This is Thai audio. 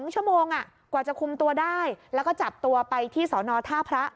๒ชั่วโมงกว่าจะคุมตัวได้แล้วก็จับตัวไปที่สอนอท่าพระ